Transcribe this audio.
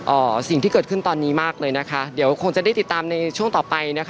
อ่าสิ่งที่เกิดขึ้นตอนนี้มากเลยนะคะเดี๋ยวคงจะได้ติดตามในช่วงต่อไปนะคะ